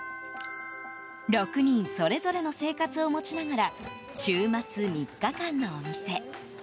６人それぞれの生活を持ちながら週末３日間のお店。